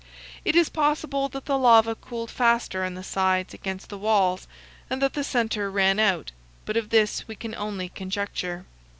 It is possible that the lava cooled faster on the sides against the walls and that the center ran out; but of this we can only conjecture.